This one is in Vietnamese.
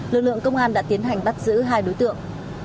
lực lượng công an đã tiến hành bắt giữ hai đối tượng